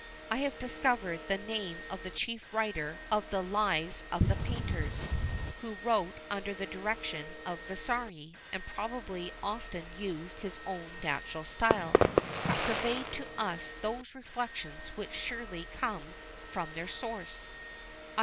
I have discovered the name of the chief writer of the Lives of the Painters, who wrote under the direction of Vasari, and probably often used his own natural style, and conveyed to us those reflections which surely come from their source.